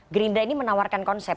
gerindra ini menawarkan konsep